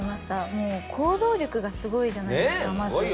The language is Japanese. もう行動力がすごいじゃないですかまず。